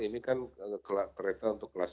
ini kan kereta untuk kelas